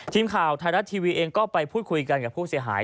ทีมข่าวไทยรัฐทีวีเองก็ไปพูดคุยกันกับผู้เสียหาย